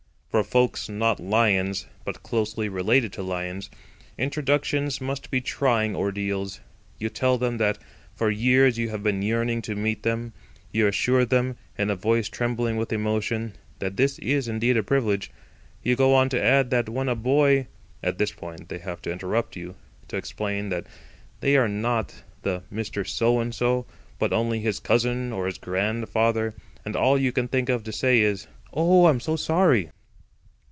For folks not Lions, but closely related to Lions, introductions must be trying ordeals. You tell them that for years you have been yearning to meet them. You assure them, in a voice trembling with emotion, that this is indeed a privilege. You go on to add that when a boy— At this point they have to interrupt you to explain that they are not the Mr. So and So, but only his cousin or his grandfather; and all you can think of to say is: "Oh, I'm so sorry."